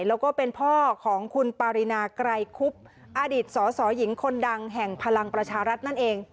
แล้วก็เป็นพ่อของคุณปารินาไกรคุบอดีตสสหญิงคนดังแห่งพลังประชารัฐนั่นเอง